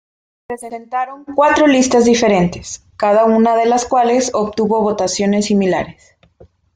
Se presentaron cuatro listas diferentes, cada una de las cuales obtuvo votaciones similares.